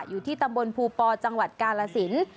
อยู่ที่ตำบลภูปอจังหวัดกาลสิน